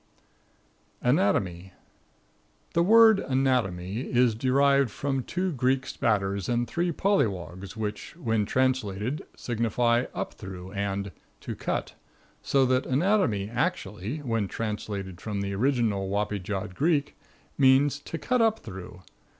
Anatomy. The word anatomy is derived from two Greek spatters and three polywogs, which, when translated, signify "up through" and "to cut," so that anatomy actually, when translated from the original wappy jawed Greek, means to cut up through.